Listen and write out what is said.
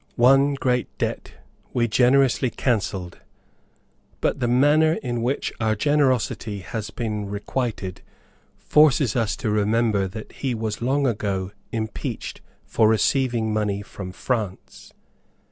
One great debt we generously cancelled; but the manner in which our generosity has been requited forces us to remember that he was long ago impeached for receiving money from France.